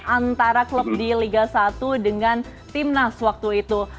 antara klub di liga satu dengan timnas waktu itu